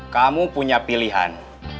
kamu punya pilihan